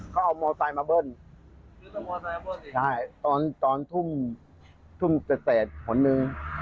เขาเอามอสไตล์มาเบิ้ลใช่ตอนทุ่มเศษผลมือ